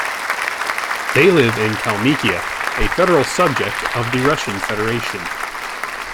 They live in Kalmykia, a federal subject of the Russian Federation.